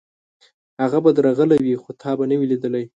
هغه به درغلی وي، خو تا به نه وي لېدلی.